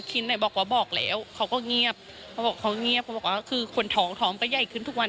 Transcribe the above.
ไหนบอกว่าบอกแล้วเขาก็เงียบเขาบอกเขาเงียบเขาบอกว่าคือคนท้องท้องก็ใหญ่ขึ้นทุกวัน